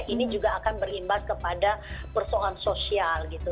ini juga akan berimbas kepada persoalan sosial gitu